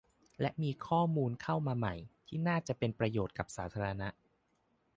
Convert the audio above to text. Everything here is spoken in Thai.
และมีข้อมูลเข้ามาใหม่ที่น่าจะเป็นประโยชน์กับสาธารณะ